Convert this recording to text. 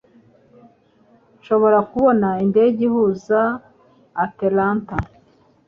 Nshobora kubona indege ihuza Atlanta?